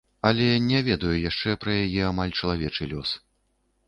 Але не ведаю яшчэ пра яе амаль чалавечы лёс.